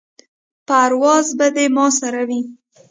پرواز به دې ما سره وي.